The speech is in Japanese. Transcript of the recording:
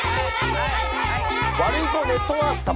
ワルイコネットワーク様。